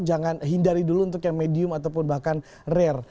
jangan hindari dulu untuk yang medium ataupun bahkan rare